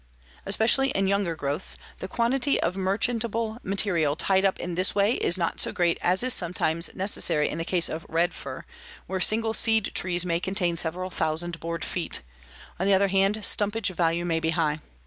Especially in younger growths, the quantity of merchantable material tied up in this way is not so great as is sometimes necessary in the case of red fir, where single seed trees may contain several thousand board feet. On the other hand, stumpage value may be high.